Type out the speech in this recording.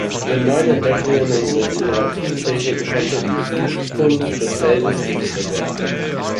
Mit neuen Entdeckungen und mit innovativen Techniken konnte die Zukunft des Feldes gesichert werden.